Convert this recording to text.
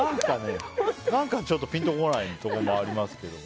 何かちょっとピンとこないところもありますけど。